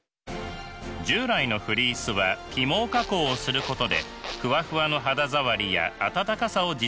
従来のフリースは起毛加工をすることでふわふわの肌触りや暖かさを実現していました。